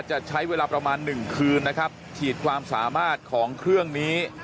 จะใช้เวลาประมาณหนึ่งคืนนะครับขีดความสามารถของเครื่องนี้